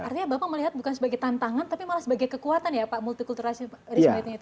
artinya bapak melihat bukan sebagai tantangan tapi malah sebagai kekuatan ya pak multikulturasi rismate nya itu